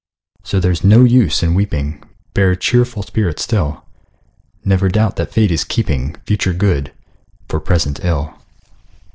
So there's no use in weeping, Bear a cheerful spirit still; Never doubt that Fate is keeping Future good for present ill!